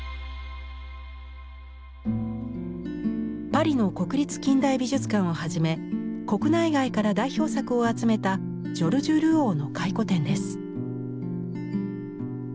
パリの国立近代美術館をはじめ国内外から代表作を集めたジョルジュ・ルオーの回顧展です。